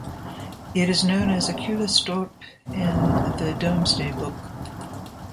It is known as Aculestorp in the "Domesday Book".